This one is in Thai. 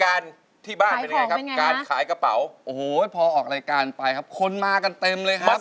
วันนี้แหละค่ะเราจะเอาเพลงที่ร้องไปแล้วกลับกลับไปกลับกลับไปนี่ครับ